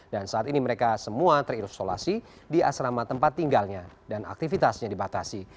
dan saat ini mereka semua terisolasi di asrama tempat tinggalnya dan aktivitasnya dibatasi